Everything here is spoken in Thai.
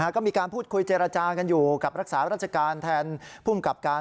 ก็มีการพูดคุยเจรจากันอยู่กับรักษาราชการแทนภูมิกับการ